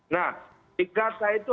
nah dikata itu